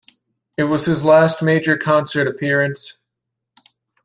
It was his last major concert appearance.